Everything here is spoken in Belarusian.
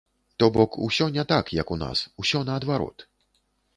То бок усё не так, як у нас, усё наадварот.